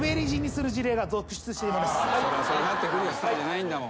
そうなってくるよスターじゃないんだもん。